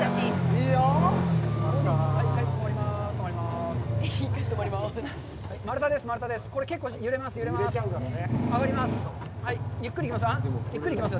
止まります。